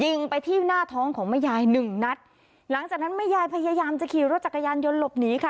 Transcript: ยิงไปที่หน้าท้องของแม่ยายหนึ่งนัดหลังจากนั้นแม่ยายพยายามจะขี่รถจักรยานยนต์หลบหนีค่ะ